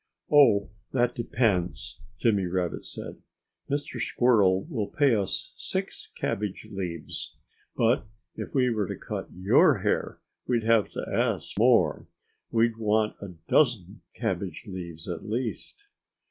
"Oh, that depends!" Jimmy Rabbit said. "Mr. Squirrel will pay us six cabbage leaves. But if we were to cut your hair we'd have to ask more. We'd want a dozen cabbage leaves, at least."